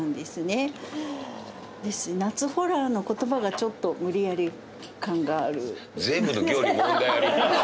「夏ホラ」の言葉がちょっと無理やり感がある。